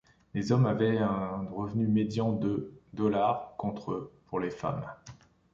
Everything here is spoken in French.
Les hommes avaient un revenu médian de $ contre pour les femmes.